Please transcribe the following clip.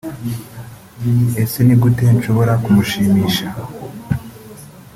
Ese ni gute nshobora kumushimisha